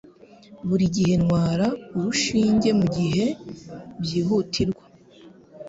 Buri gihe ntwara urushinge mugihe byihutirwa